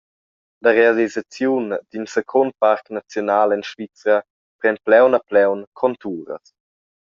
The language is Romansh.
La realisaziun d’in secund parc naziunal en Svizra pren plaun a plaun conturas.